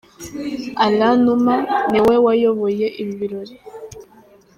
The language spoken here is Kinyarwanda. Alain Numa ni we wayoboye ibi birori.